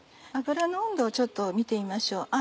油の温度をちょっと見てみましょう。